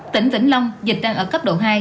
tỉnh vĩnh long dịch đang ở cấp độ hai